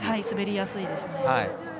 滑りやすいですよね。